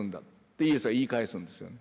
ってイエスは言い返すんですよ。